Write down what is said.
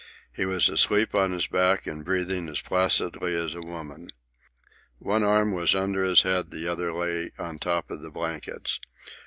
He was asleep on his back and breathing as placidly as a woman. One arm was under his head, the other lay on top of the blankets.